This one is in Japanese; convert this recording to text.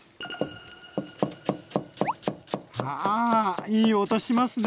はいい音しますね。